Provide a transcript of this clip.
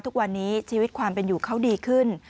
ทุกวันนี้ชีวิตความเป็นอยู่เขาดีขึ้น